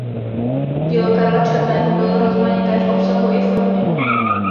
Dílo Karla Černého bylo rozmanité v obsahu i formě.